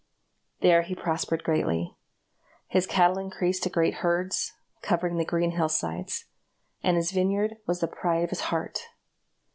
There he prospered greatly, his cattle increased to great herds, covering the green hill sides, and his vineyard was the pride of his heart.